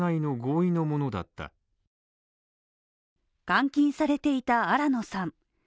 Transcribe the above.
監禁されていた新野さん。